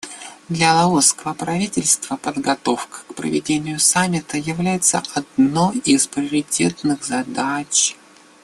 Для лаосского правительства подготовка к проведению Саммита является одной из приоритетных задач.